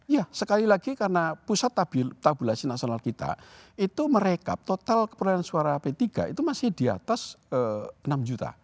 ya sekali lagi karena pusat tabulasi nasional kita itu merekap total keperluan suara p tiga itu masih di atas enam juta